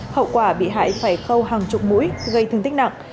hậu quả bị hại phải khâu hàng chục mũi gây thương tích nặng